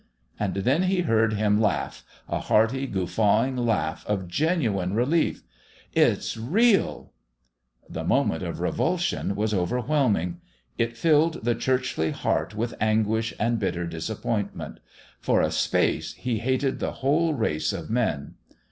And then he heard him laugh a hearty, guffawing laugh of genuine relief "It's real!" The moment of revulsion was overwhelming. It filled the churchly heart with anguish and bitter disappointment. For a space he hated the whole race of men.